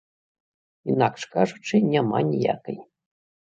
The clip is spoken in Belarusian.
Інакш кажучы, няма ніякай.